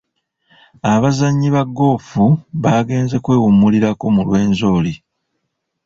Abazannyi ba ggoofu baagenze kwewummulirako mu Rwenzori.